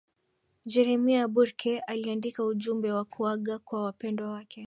jeremiah burke aliandika ujumbe wa kuaga kwa wapendwa wake